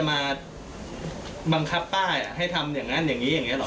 ประมาณ๑อืมก็เหนื่อยใช่ไหมเวลาสู้กับมัน